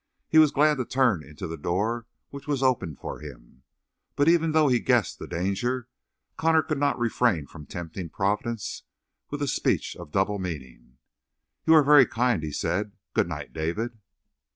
He was glad to turn into the door which was opened for him. But even though he guessed the danger, Connor could not refrain from tempting Providence with a speech of double meaning. "You are very kind," he said. "Good night, David."